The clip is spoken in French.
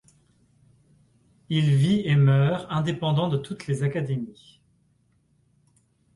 Il vit et meurt indépendant de toutes les académies.